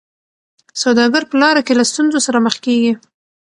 سوداګر په لاره کي له ستونزو سره مخ کیږي.